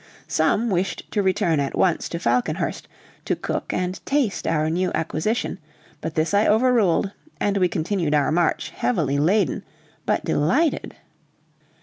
Some wished to return at once to Falconhurst, to cook and taste our new acquisition; but this I overruled, and we continued our march, heavily laden, but delighted.